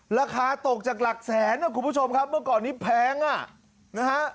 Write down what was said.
ราคาตกจากหลักแสนนะคุณผู้ชมครับเมื่อก่อนนี้แพงอ่ะนะฮะ